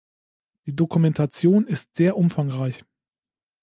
Die Dokumentation ist sehr umfangreich.